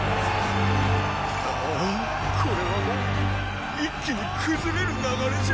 ああこれはもう一気に崩れる流れじゃ。